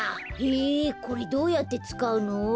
へえこれどうやってつかうの？